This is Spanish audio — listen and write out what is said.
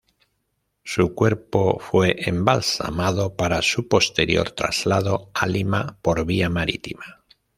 Su cuerpo fue embalsamado para su posterior traslado a Lima, por vía marítima.